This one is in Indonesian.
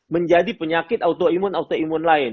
menjadi penyakit autoimun autoimun lain